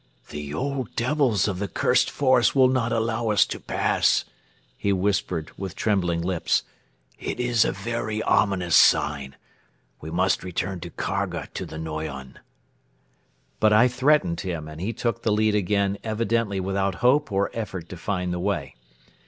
"The old devils of the cursed forest will not allow us to pass," he whispered with trembling lips. "It is a very ominous sign. We must return to Kharga to the Noyon." But I threatened him and he took the lead again evidently without hope or effort to find the way.